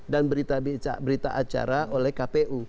dan berita acara oleh kpu